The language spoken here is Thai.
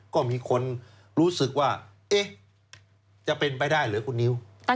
ก็มีคนรู้สึกว่าเอ๊ะจะเป็นไปได้เหรอคุณนิว